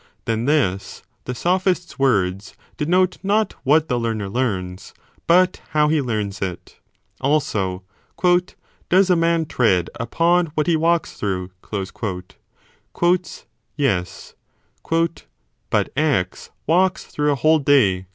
Then his (the sophist s) words denote not what the learner learns but how he learns it. Also, Does a man tread upon what he walks through ? Yes. But X walks through a whole day.